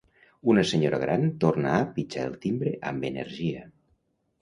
Una senyora gran torna a pitjar el timbre amb energia.